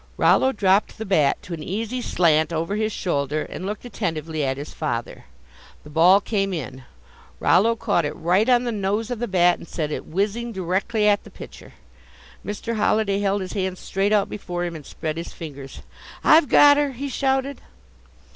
Rollo dropped the bat to an easy slant over his shoulder and looked attentively at his father. The ball came in. Rollo caught it right on the nose of the bat and sent it whizzing directly at the pitcher. Mr. Holliday held his hands straight out before him and spread his fingers. "I've got her!" he shouted.